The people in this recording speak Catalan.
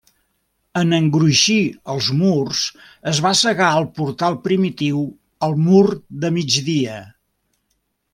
En engruixir els murs es va cegar el portal primitiu al mur de migdia.